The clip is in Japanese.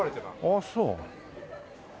ああそう。